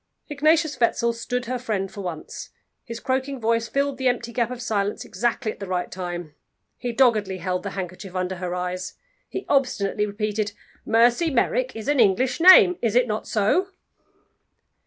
Ignatius Wetzel stood her friend for once. His croaking voice filled the empty gap of silence exactly at the right time. He doggedly held the handkerchief under her eyes. He obstinately repeated: "Mercy Merrick is an English name. Is it not so?"